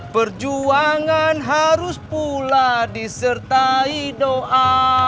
perjuangan harus pula disertai doa